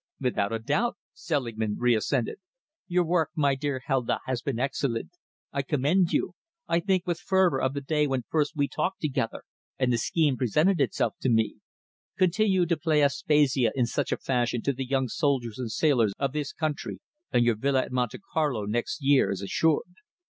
"Without a doubt," Selingman assented. "Your work, my dear Helda, has been excellent. I commend you. I think with fervour of the day when first we talked together, and the scheme presented itself to me. Continue to play Aspasia in such a fashion to the young soldiers and sailors of this country, and your villa at Monte Carlo next year is assured."